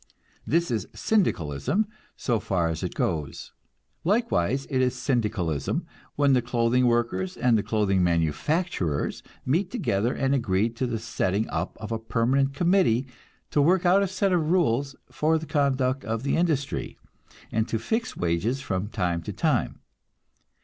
This is Syndicalism so far as it goes. Likewise it is Syndicalism when the clothing workers and the clothing manufacturers meet together and agree to the setting up of a permanent committee to work out a set of rules for the conduct of the industry, and to fix wages from time to time.